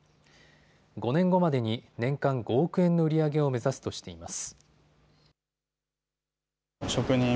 ５年後までに年間５億円の売り上げを目指すとしています。